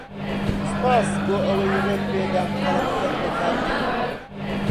سوپاس بۆ ئەوەی ڕێت پێدام قەڵەمەکەت بەکاربێنم.